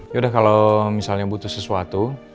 yaudah kalau misalnya butuh sesuatu